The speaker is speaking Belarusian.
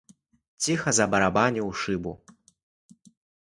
Ціха забарабаніў у шыбу.